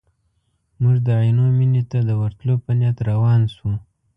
موږ د عینو مینې ته د ورتلو په نیت روان شوو.